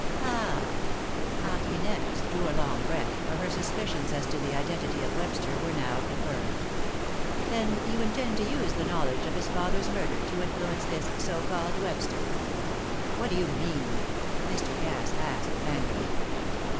"Ah!" Aunt Inez drew a long breath, for her suspicions as to the identity of Webster were now confirmed. "Then you intend to use the knowledge of his father's murder to influence this so called Webster?" "What do you mean?" Mr. Cass asked angrily.